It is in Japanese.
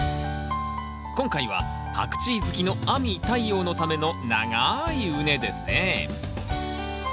今回はパクチー好きの亜美・太陽のための長い畝ですね。